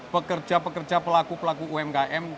pekerja pekerja pelaku pelaku umkm